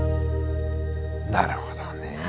なるほどね。